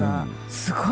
すごい！